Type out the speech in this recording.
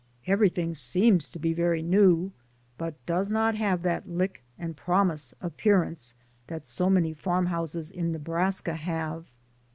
Everything seems to be very new, but does not have that "lick and a promise" appear ance that so many farmhouses in Nebraska have.